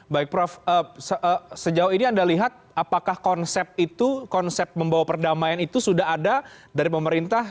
baik prof sejauh ini anda lihat apakah konsep itu konsep membawa perdamaian itu sudah ada dari pemerintah